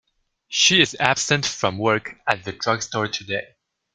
She is absent from work at the drug store today.